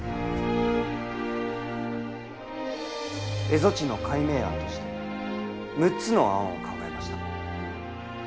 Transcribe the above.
蝦夷地の改名案として６つの案を考えました。